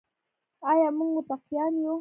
آیا موږ متقیان یو؟